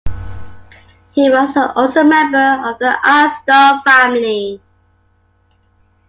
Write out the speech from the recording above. He was also a member of the Astor family.